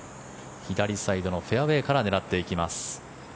左サイドのフェアウェーから狙っていきます。